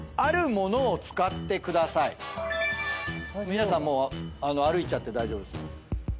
皆さんもう歩いちゃって大丈夫ですよ。